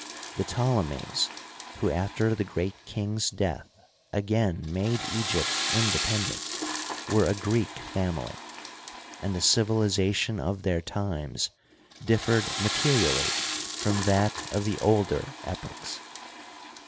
The Ptolemies who, after the great kind's death, again made Egypt independ ent, were a Greek fiimily, and the civilization of their times differed materially from that of the older epochs.